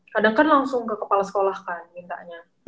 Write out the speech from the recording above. kadang kan langsung ke kepala sekolah kan minta nya